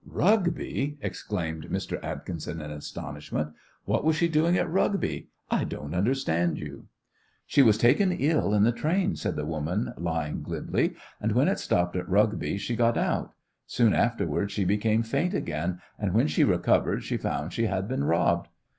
"Rugby!" exclaimed Mr. Atkinson, in astonishment. "What was she doing at Rugby? I don't understand you." "She was taken ill in the train," said the woman, lying glibly, "and when it stopped at Rugby she got out. Soon afterwards she became faint again, and when she recovered she found she had been robbed.